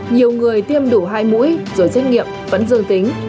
nhiều người tiêm đủ hai mũi rồi xét nghiệm vẫn dương tính